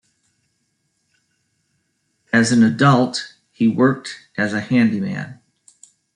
As an adult, he worked as a handyman.